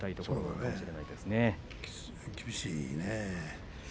厳しいね。